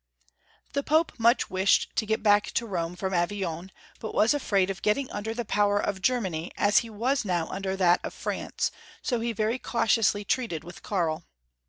The Pope much wished to get back to Rome from Avignon, but was afraid of getting under the power of Germany as he was now under that of France, so he very cautiously treated with Karl.